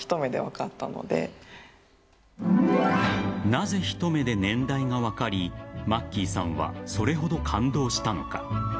なぜ一目で年代が分かりマッキーさんはそれほど感動したのか。